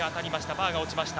バーが落ちました。